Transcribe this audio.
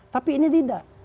tapi ini tidak